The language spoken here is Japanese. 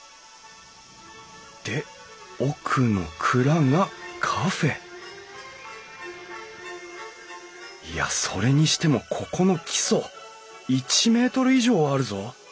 で奥の蔵がカフェいやそれにしてもここの基礎１ｍ以上はあるぞ！